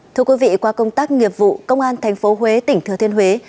thưa quý vị qua công tác nghiệp vụ công an tp huế tỉnh thừa thiên huế